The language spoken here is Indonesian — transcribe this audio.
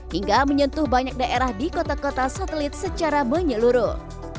hingga menyentuh banyak daerah di kota kota satelit secara menyeluruh